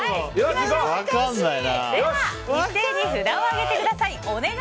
一斉に札を挙げてください。